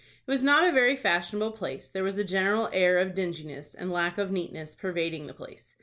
It was not a very fashionable place. There was a general air of dinginess and lack of neatness pervading the place.